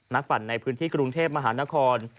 ปั่นในพื้นที่กรุงเทพมหานคร